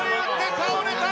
倒れた！